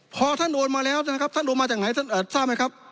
พอท่านโอนมาแล้วนะครับท่านโอนมาจากไหนท่านทราบไหมครับ